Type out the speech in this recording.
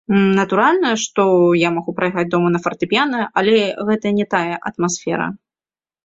Натуральна, што я магу пайграць дома на фартэпіяна, але гэта не тая атмасфера.